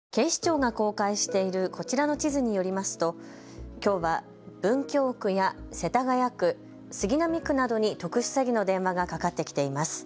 警視庁が公開しているこちらの地図によりますときょうは文京区や世田谷区、杉並区などに特殊詐欺の電話がかかってきています。